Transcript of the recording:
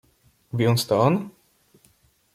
"Więc to on?"